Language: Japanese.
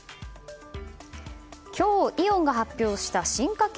今日、イオンが発表した進化系